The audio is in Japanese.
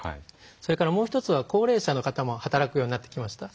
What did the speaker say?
それからもう一つは高齢者の方も働くようになってきました。